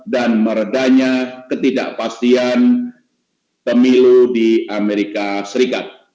dan meredanya ketidakpastian pemilu di amerika serikat